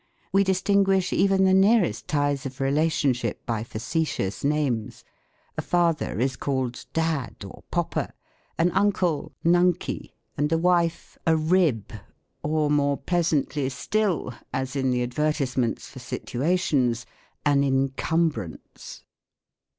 We distinguish even the nearest ties of relationship by facetious names. A father is called "dad," or "poppa;" an uncle, "nunkey ;" and a wife, a " rib," or more pleasantly still, as in the advertisements for situations, " an en cumbrance."